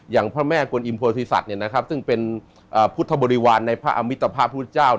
อย่างพระแม่กลุ่นอิมโพธิศัตริย์เนี่ยนะครับซึ่งเป็นพุทธบุริวารในพระอมิตภพพระพุทธเจ้า